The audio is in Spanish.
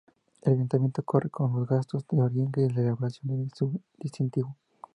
El Ayuntamiento corre con los gastos que origine la elaboración de este distintivo.